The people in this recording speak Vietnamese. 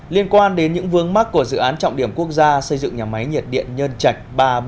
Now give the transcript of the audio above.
liên quan đến những vướng mắt của dự án trọng điểm quốc gia xây dựng nhà máy nhiệt điện nhân chạch ba bốn